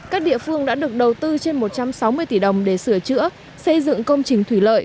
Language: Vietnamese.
các địa phương đã được đầu tư trên một trăm sáu mươi tỷ đồng để sửa chữa xây dựng công trình thủy lợi